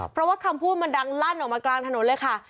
เพราะว่าคำพูดมันดังลั่นออกมากลางถนนเลยค่ะ